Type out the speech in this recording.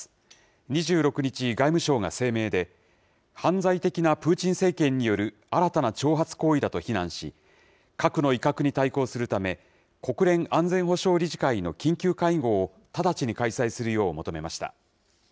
２６日、外務省が声明で、犯罪的なプーチン政権による新たな挑発行為だと非難し、核の威嚇に対抗するため、国連安全保障理事会の緊急会合を直ちに開催するよう求めました。